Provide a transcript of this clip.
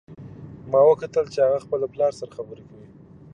ما وکتل چې هغه خپل پلار سره خبرې کوي